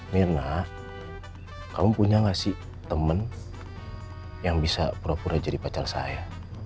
mirna kamu punya gak sih temen yang bisa pura pura jadi pacar saya